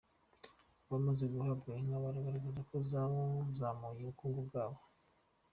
Abamaze guhabwa inka, bagaragaza ko zazamuye ubukungu bwabo.